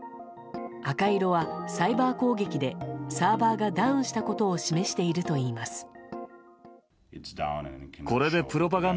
赤色はサイバー攻撃でサーバーがダウンしたことを示しているといいます。